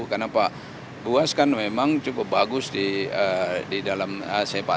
karena pak buas kan memang cukup bagus di dalam sepatu